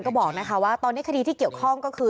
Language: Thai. ก็บอกนะคะว่าตอนนี้คดีที่เกี่ยวข้องก็คือ